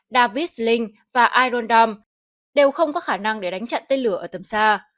davis lynch và iron dome đều không có khả năng để đánh chặn tên lửa ở tầm xa